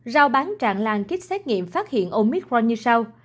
rao bán trả lan kích xét nghiệm phát hiện omicron như sau